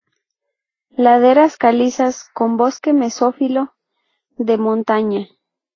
Laderas calizas con bosque mesófilo de montaña.